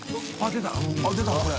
出たこれ。